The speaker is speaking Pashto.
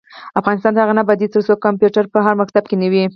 افغانستان تر هغو نه ابادیږي، ترڅو کمپیوټر په هر مکتب کې نه وي.